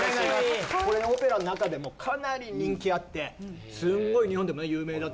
これオペラの中でもかなり人気あってすごい日本でもね有名だと思うんですけども。